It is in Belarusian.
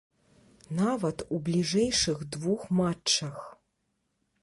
Нават у бліжэйшых двух матчах.